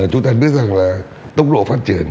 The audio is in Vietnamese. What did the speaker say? chúng ta biết rằng là tốc độ phát triển